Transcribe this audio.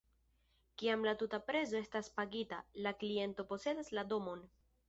Kiam la tuta prezo estas pagita, la kliento posedas la domon.